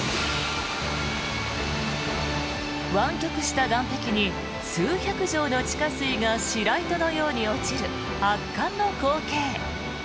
湾曲した岸壁に数百条の地下水が白糸のように落ちる圧巻の光景。